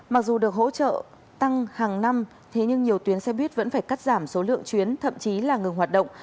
mặc dù được hỗ trợ tăng hàng năm thế nhưng nhiều tuyến xe buýt vẫn phải cắt giảm số lượng chuyến thậm chí là ngừng hoạt động